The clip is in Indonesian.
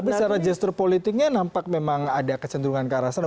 tapi secara gestur politiknya nampak memang ada kecenderungan ke arah sana